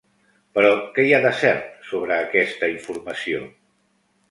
Però què hi ha de cert sobre aquesta informació?